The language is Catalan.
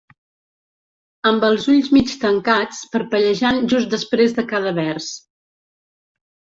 Amb els ulls mig tancats, parpellejant just després de cada vers.